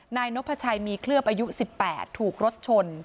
นายนพชัยมีเคลือบอายุ๑๘ถูกรถชน